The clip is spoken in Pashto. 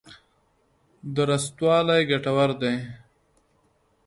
درستوالی ګټور دی.